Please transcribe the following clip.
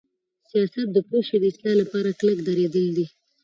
سیاست د یوشی د اصلاح لپاره کلک دریدل دی.